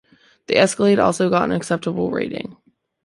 The Escalade also got an Acceptable rating.